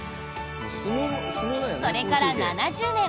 それから７０年。